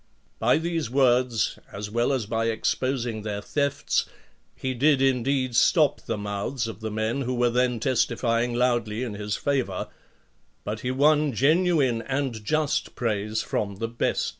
By these words, as well as by exposing their thefts, he did indeed stop the mouths of the men who were then testifying loudly in his favour, but he won genuine and just praise from the best citizens.